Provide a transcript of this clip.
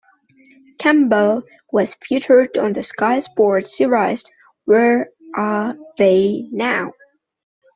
Campbell was featured on the Sky Sports series Where are They Now?